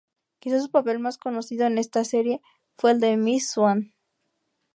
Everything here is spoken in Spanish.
Quizá su papel más conocido en esta serie fue el de Miss Swan.